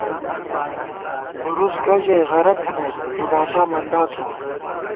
ہُرُوس گہ ژَئی غرہ تھنَئیت ݫُگاٹا مندا تھووون